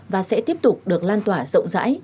và sẽ tiếp tục được lan tỏa rộng rãi